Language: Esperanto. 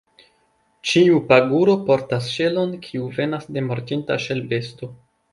Ĉiu paguro portas ŝelon, kiu venas de mortinta ŝelbesto.